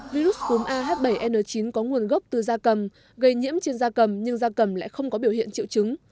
virus cúm ah bảy n chín có nguồn gốc từ da cầm gây nhiễm trên da cầm nhưng da cầm lại không có biểu hiện triệu chứng